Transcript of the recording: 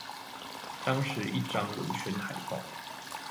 當時一張文宣海報